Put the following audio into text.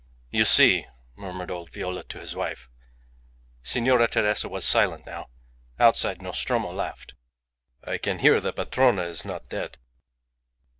"You see " murmured old Viola to his wife. Signora Teresa was silent now. Outside Nostromo laughed. "I can hear the padrona is not dead."